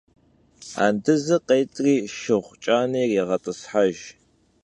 Andızır khêt'ri şşığu ç'ane yirêğet'ıshejj.